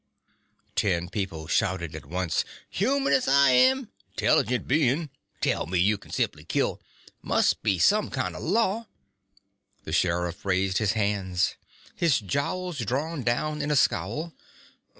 Ten people shouted at once: " human as I am!" " intelligent being!" " tell me you can simply kill "" must be some kind of law " The sheriff raised his hands, his jowls drawn down in a scowl.